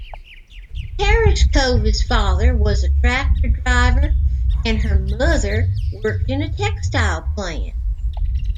Tereshkova's father was a tractor driver and her mother worked in a textile plant.